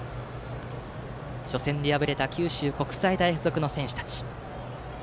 初戦で敗れた九州国際大付属の選手たち。